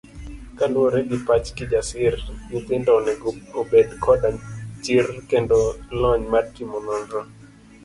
Kaluwore gi pach Kijasir, nyithindo onego obed koda chir kendo lony mar timo nonro.